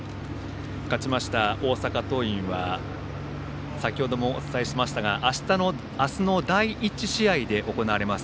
勝ちました大阪桐蔭は先程もお伝えしましたが明日の第１試合で行われます